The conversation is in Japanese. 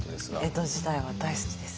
江戸時代は大好きです。